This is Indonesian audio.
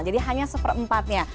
jadi hanya seperempatnya